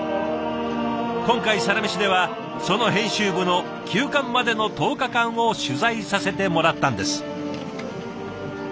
今回「サラメシ」ではその編集部の休刊までの１０日間を取材させてもらったんです。